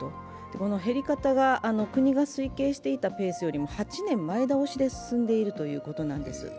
この減り方が国が推計していたペースよりも８年前倒しで進んでいるということなんです。